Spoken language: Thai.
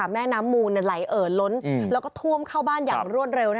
แม่น้ำมูลไหลเอ่อล้นแล้วก็ท่วมเข้าบ้านอย่างรวดเร็ว